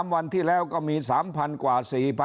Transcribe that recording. วันที่แล้วก็มี๓๐๐กว่า๔๐๐